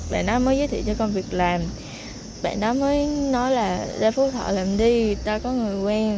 bạn mới giới thiệu cho công việc làm bạn đó mới nói là ra phú thọ làm đi ta có người quen